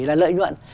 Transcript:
là lợi nhuận